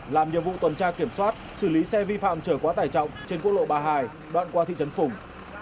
làm nhiệm vụ tuần tra kiểm soát xử lý xe vi phạm trở quá tải trọng trên quốc lộ ba mươi hai đoạn qua thị trấn phùng